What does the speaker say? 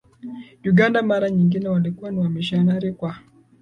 Uganda mara nyingine walikuwa ni Wamisionari kwa